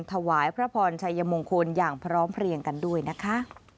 ถวายพระพรชัยมงคลอย่างพร้อมเพลียงกันด้วยนะคะ